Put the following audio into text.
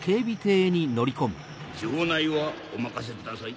城内はお任せください。